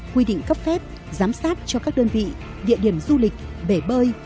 quy định cấp phép giám sát cho các đơn vị địa điểm du lịch bể bơi